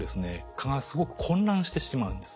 蚊がすごく混乱してしまうんです。